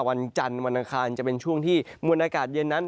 วันจันทร์วันอังคารจะเป็นช่วงที่มวลอากาศเย็นนั้น